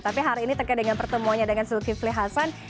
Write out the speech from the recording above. tapi hari ini teka dengan pertemunya dengan sulkifli hasan